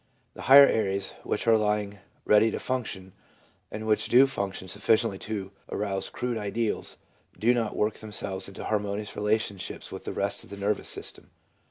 The higher areas which are lying ready to function, and which do function sufficiently to arouse crude ideals, do not work themselves into harmonious relationships with the rest of the nervous system.